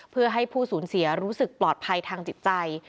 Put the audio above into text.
เพื่อให้ผู้สูญเสียรู้สึกปลอดภัยทางจิตใจ